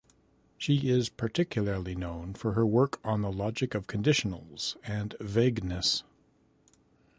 She is particularly known for her work on the logic of conditionals and vagueness.